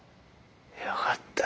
よかった。